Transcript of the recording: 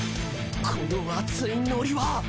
この熱いノリは！？